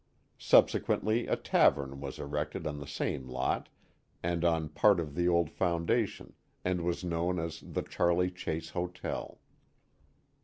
Subsequently a tavern was erected on the same lot and on part of the old foundation, and was known as the Charley Chase Hotel.